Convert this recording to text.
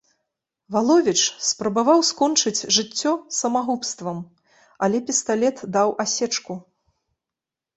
Валовіч спрабаваў скончыць жыццё самагубствам, але пісталет даў асечку.